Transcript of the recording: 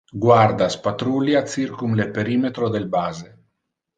Guardas patrulia circum le perimetro del base.